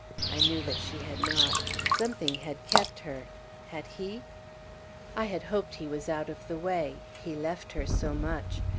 I knew that she had not. Something had kept her; had he? I had hoped he was out of the way; he left her so much.